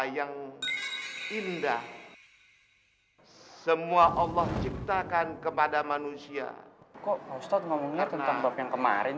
yang indah semua allah ciptakan kepada manusia kok ustadz ngomongnya tentang bab yang kemarin